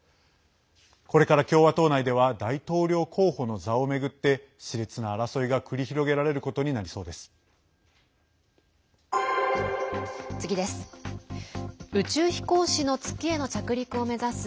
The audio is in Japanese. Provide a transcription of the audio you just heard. これから共和党内では大統領候補の座を巡ってしれつな争いが繰り広げられることになりそうです。